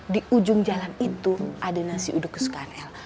di ujung jalan itu ada nasi uduk kesukaan el